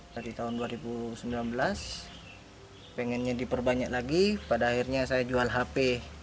dari tahun dua ribu sembilan belas pengennya diperbanyak lagi pada akhirnya saya jual hp